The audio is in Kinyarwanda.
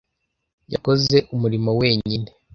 Yakoze umurimo wenyine.